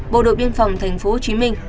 bộ đội biên phòng tp hcm